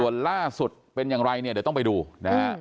ส่วนล่าสุดเป็นอย่างไรเนี่ยเดี๋ยวต้องไปดูนะฮะ